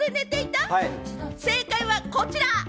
正解はこちら！